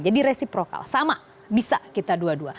jadi resiprokal sama bisa kita dua dua